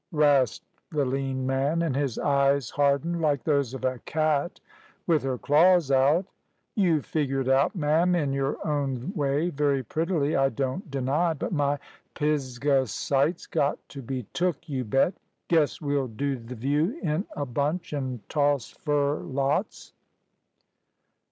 rasped the lean man, and his eyes hardened like those of a cat with her claws out; "you figure it out, ma'am, in your own way very prettily, I don't deny. But my Pisgah sight's got to be took, you bet. Guess we'll do th' view in a bunch, an' toss fur lots."